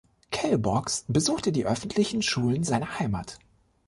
Cale Boggs besuchte die öffentlichen Schulen seiner Heimat.